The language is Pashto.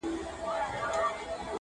کوټي ته درځمه گراني.